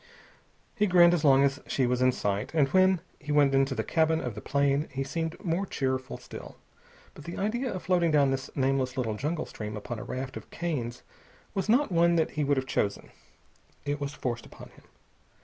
He grinned as long as she was in sight, and when he went into the cabin of the plane he seemed more cheerful still. But the idea of floating down this nameless little jungle stream upon a raft of canes was not one that he would have chosen. It was forced upon him.